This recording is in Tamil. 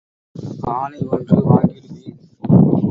ஆனை ஒன்று வாங்கிடுவேன்.